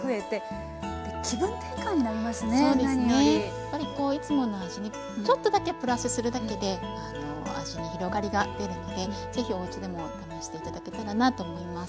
やっぱりこういつもの味にちょっとだけプラスするだけで味に広がりが出るのでぜひおうちでも試して頂けたらなと思います。